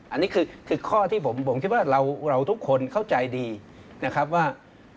อันนี้คือข้อที่ผมคิดว่าเราทุกคนเข้าใจดีนะครับว่า